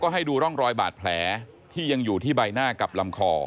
ให้ดูร่องรอยบาดแผลที่ยังอยู่ที่ใบหน้ากับลำคอ